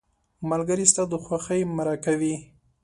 ملګری ستا د خوښۍ مرکه وي